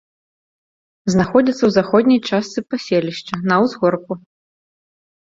Знаходзіцца ў заходняй частцы паселішча, на ўзгорку.